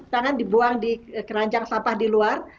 tangan dibuang di keranjang sampah di luar